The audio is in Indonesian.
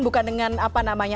bukan dengan apa namanya